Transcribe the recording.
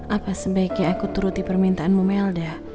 apa sebaiknya aku turuti permintaanmu melda